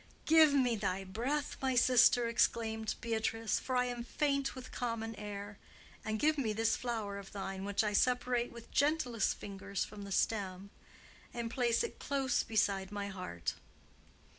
"Give me thy breath, my sister," exclaimed Beatrice; "for I am faint with common air. And give me this flower of thine, which I separate with gentlest fingers from the stem and place it close beside my heart."